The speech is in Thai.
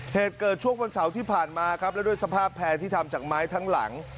เหตุเกิดช่วงวันเสาร์ที่ผ่านมาครับแล้วด้วยสภาพแพร่ที่ทำจากไม้ทั้งหลัง